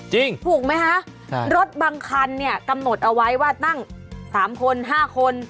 ถูกไหมคะรถบางคันเนี่ยกำหนดเอาไว้ว่าตั้ง๓คน๕คน